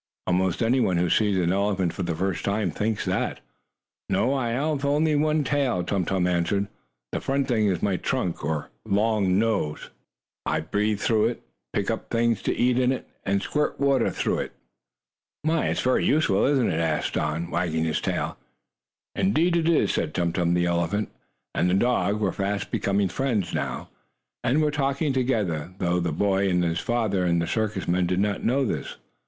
Almost anyone who sees an elephant for the first time thinks that. "No, I have only one tail," Tum Tum answered. "The front thing is my trunk, or long nose. I breathe through it, pick up things to eat in it, and squirt water through it." "My! It is very useful, isn't it?" asked Don, wagging his tail. "Indeed it is," said Tum Tum. The elephant and the dog were fast becoming friends now, and were talking together, though the boy and his father and the circus men did not know this.